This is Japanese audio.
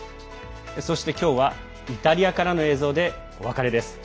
そして、今日はイタリアからの映像でお別れです。